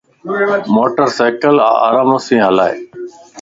موٽر سينڪل آرام سين ھلائي